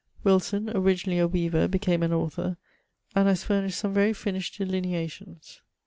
Wilson, originally a weaver, became an author, and has furnished some very finished delineations.